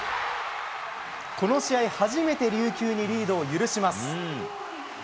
この試合、初めて琉球にリードを許します。